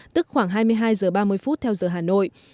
tức khoảng hai mươi hai h ba mươi phút theo giờ hà nội